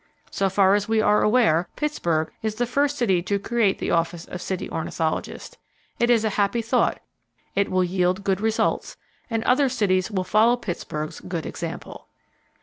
So far as we are aware, Pittsburgh is the first city to create the office of City Ornithologist. It is a happy thought; it will yield good results, and other cities will follow Pittsburgh's good example.